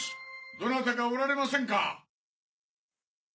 どなたかおられませんか？